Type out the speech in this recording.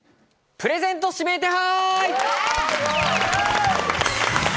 プレゼント指名手配！